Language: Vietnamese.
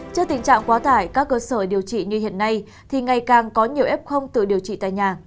trước tình trạng quá tải các cơ sở điều trị như hiện nay thì ngày càng có nhiều f tự điều trị tại nhà